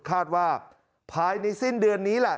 คาดว่าภายในสิเดือนนี้ล่ะ